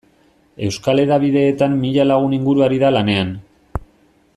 Euskal hedabideetan mila lagun inguru ari da lanean.